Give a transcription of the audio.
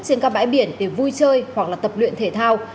trên các bãi biển để vui chơi hoặc là tập luyện thể thao